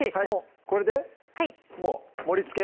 これでもう盛りつけ？